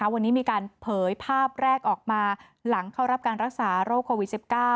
วันนี้มีการเผยภาพแรกออกมาหลังเข้ารับการรักษาโรคโควิด๑๙